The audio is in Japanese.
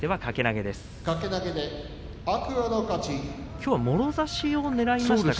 きょうはもろ差しをねらいましたか。